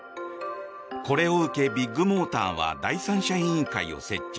これを受け、ビッグモーターは第三者委員会を設置。